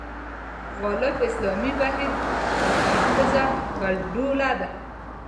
غالب اسلامي بهیر متناقضه ګډوله ده.